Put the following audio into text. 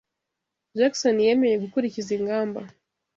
Jackson yemeye gukurikiza ingamba